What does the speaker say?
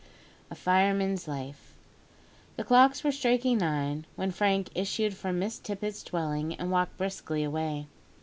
A FIREMAN'S LIFE. The clocks were striking nine when Frank issued from Miss Tippet's dwelling and walked briskly away.